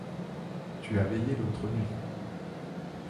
Tu as veillé l'autre nuit.